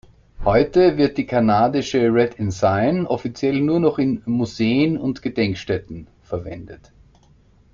Heute wird die kanadische Red Ensign offiziell nur noch in Museen und Gedenkstätten verwendet.